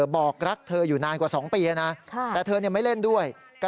บอกรักเธออยู่นานกว่าสองปีเลยนะ